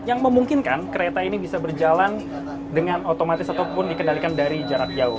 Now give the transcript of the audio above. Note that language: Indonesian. yang memungkinkan kereta ini bisa berjalan dengan otomatis ataupun dikendalikan dari jarak jauh